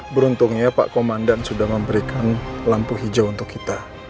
beruntungnya pak komandan sudah memberikan lampu hijau untuk kita